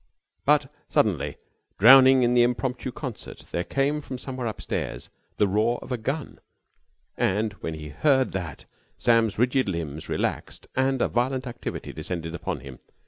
But, suddenly, drowning even the impromptu concert, there came from somewhere upstairs the roar of a gun, and, when he heard that, Sam's rigid limbs relaxed and a violent activity descended upon him.